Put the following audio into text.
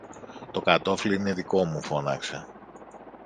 Το κατώφλι είναι δικό μου, φώναξε.